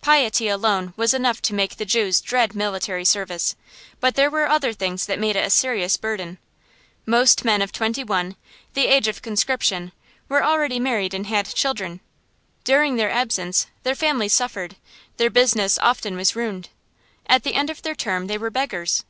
Piety alone was enough to make the Jews dread military service, but there were other things that made it a serious burden. Most men of twenty one the age of conscription were already married and had children. During their absence their families suffered, their business often was ruined. At the end of their term they were beggars.